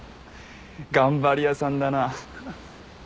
頑張り屋さんだな。